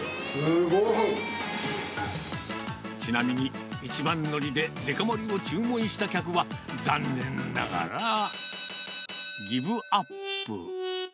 ちなみに、一番乗りでデカ盛りを注文した客は、残念ながら、ギブアップ。